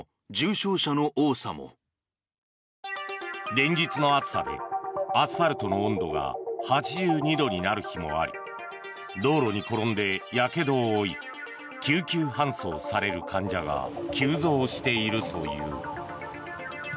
連日の暑さでアスファルトの温度が８２度になる日もあり道路に転んでやけどを負い救急搬送される患者が急増しているという。